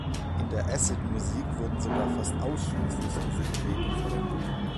In der Acid-Musik wurden sogar fast ausschließlich diese Geräte verwendet.